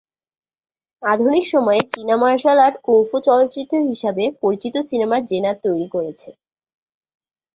আধুনিক সময়ে, চীনা মার্শাল আর্ট কুংফু চলচ্চিত্র হিসাবে পরিচিত সিনেমার জেনার তৈরি করেছে।